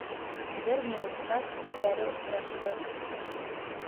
Бер минутҡа күҙҙәре осрашты.